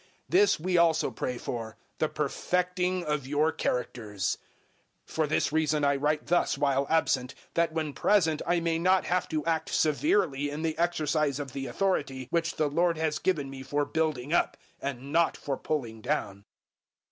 This we also pray for the perfecting of your characters. 013:010 For this reason I write thus while absent, that when present I may not have to act severely in the exercise of the authority which the Lord has given me for building up, and not for pulling down.